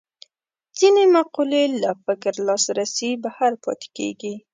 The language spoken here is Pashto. ځینې مقولې له فکر لاسرسي بهر پاتې کېږي